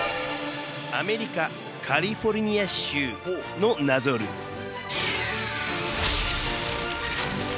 アメリカ・カリフォルニア州の謎ルール。